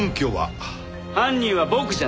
犯人は僕じゃないから。